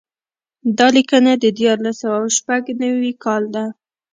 دا لیکنه د دیارلس سوه شپږ نوي کال ده.